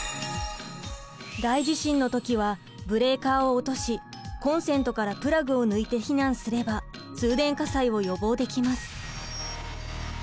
大地震の時はブレーカーを落としコンセントからプラグを抜いて避難すれば通電火災を予防できます。